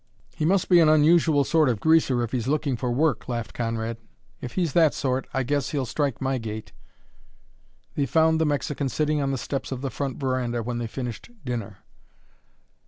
"He must be an unusual sort of greaser if he's looking for work," laughed Conrad. "If he's that sort, I guess he'll strike my gait." They found the Mexican sitting on the steps of the front veranda when they finished dinner.